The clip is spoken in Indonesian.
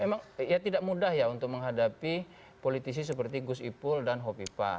memang ya tidak mudah ya untuk menghadapi politisi seperti gus ipul dan hopipa